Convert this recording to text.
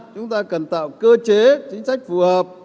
chúng ta cần tạo cơ chế chính sách phù hợp